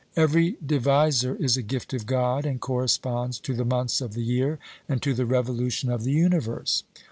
Every divisor is a gift of God, and corresponds to the months of the year and to the revolution of the universe.